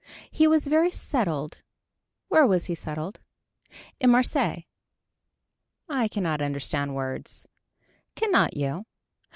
He was very settled. Where was he settled. In Marseilles. I cannot understand words. Cannot you.